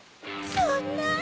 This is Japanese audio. そんな。